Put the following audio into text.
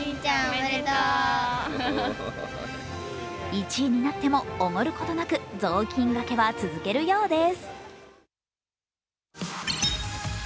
１位になってもおごることなく雑巾がけは続けるようです。